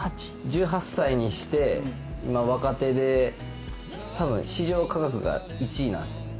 １８歳にして今若手で多分市場価格が１位なんすよね。